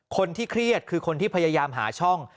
คนที่เครียดคือคนที่พยายามหาช่อง